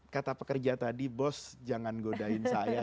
kata pekerja tadi bos jangan godain saya